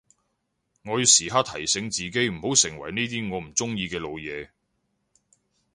我要時刻提醒自己唔好成為呢啲我唔中意嘅老嘢